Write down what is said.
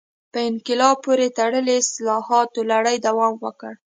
په انقلاب پورې تړلو اصلاحاتو لړۍ دوام وکړ.